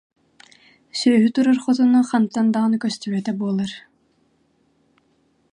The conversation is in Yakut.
сүөһү турар хотоно хантан даҕаны көстүбэтэ буолар